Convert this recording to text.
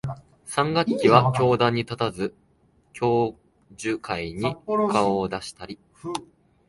三学期は教壇に立たず、教授会に顔を出したり、